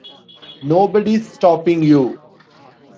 Nobody's stopping you.